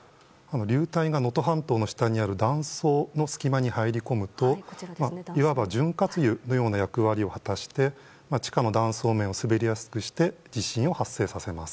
流体が能登半島の下にある断層の隙間に入り込むといわば潤滑油のような役割を果たして地下の断層面を滑りやすくして地震を発生させます。